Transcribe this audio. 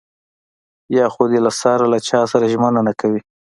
يا خو دې له سره له چاسره ژمنه نه کوي.